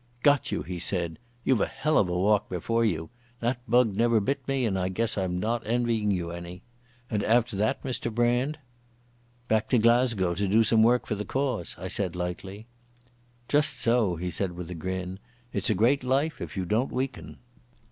"Got you," he said. "You've a hell of a walk before you. That bug never bit me, and I guess I'm not envying you any. And after that, Mr Brand?" "Back to Glasgow to do some work for the cause," I said lightly. "Just so," he said with a grin. "It's a great life if you don't weaken."